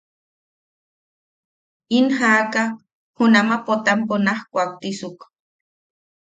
In jaaka junama Potampo naj kuaktisuk.